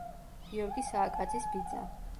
გიორგი სააკაძის ბიძა.